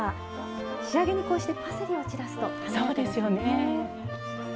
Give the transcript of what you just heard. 仕上げにこうしてパセリを散らすと華やかですよね。